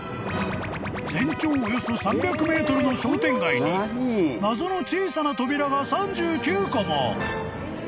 ［全長およそ３００ｍの商店街に謎の小さな扉が３９個も］